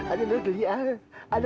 ayo dikasih tahu